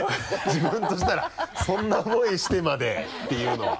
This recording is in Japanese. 自分としたらそんな思いしてまでっていうのは。